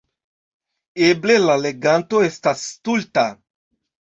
Eble, la leganto estas stulta.